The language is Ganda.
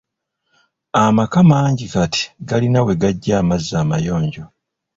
Amaka mangi kati galina we gaggya amazzi amayonjo.